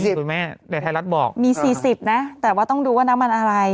คุณแม่ในไทยรัฐบอกมี๔๐นะแต่ว่าต้องดูว่าน้ำมันอะไร